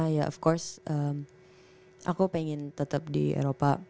ya of course aku pengen tetap di eropa